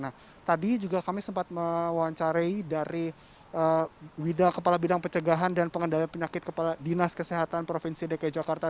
nah tadi juga kami sempat mewawancarai dari wida kepala bidang pencegahan dan pengendalian penyakit kepala dinas kesehatan provinsi dki jakarta